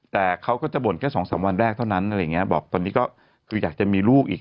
แต่เขาก็จะบ่นแค่สองสามวันแรกเท่านั้นอะไรอย่างนี้บอกตอนนี้ก็คืออยากจะมีลูกอีก